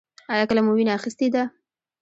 ایا کله مو وینه اخیستې ده؟